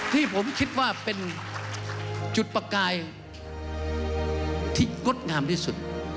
ที่ผมคิดว่าเป็นจุดประกายที่งดงามที่สุด